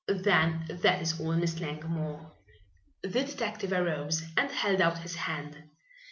"Then that is all, Miss Langmore." The detective arose and held out his hand.